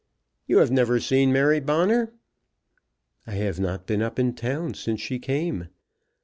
"You have never seen Mary Bonner?" "I have not been up in town since she came.